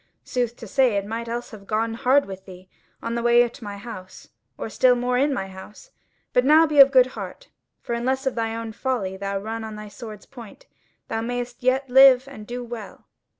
Sooth to say, it might else have gone hard with thee on the way to my house, or still more in my house. But now be of good heart, for unless of thine own folly thou run on the sword's point, thou mayst yet live and do well."